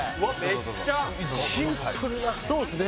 めっちゃシンプルなそうですね